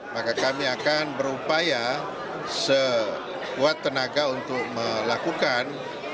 maka kami akan berupaya sekuat tenaga untuk melakukan